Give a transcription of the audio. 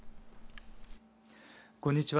こんにちは。